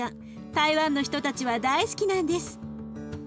台湾の人たちは大好きなんです。